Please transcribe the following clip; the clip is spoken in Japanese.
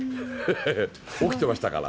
起きてましたから。